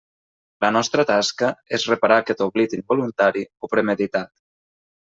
La nostra tasca és reparar aquest oblit involuntari o premeditat.